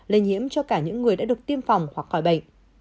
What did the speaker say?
lây nhiễm cho cả những người đã được tiêm phòng hoặc khỏi bệnh